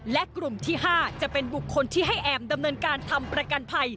และกลุ่มที่๕จะเป็นบุคคลที่ให้แอมดำเนินการทำประกันภัย